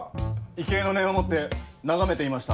畏敬の念を持って眺めていました。